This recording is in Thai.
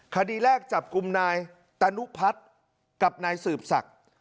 คดีแรกจับกลุ่มนายตานุพัฒน์กับนายสืบศักดิ์